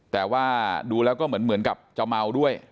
แต่ว่าดูแล้วก็เหมือนเหมือนกับเจ้าเมาด้วย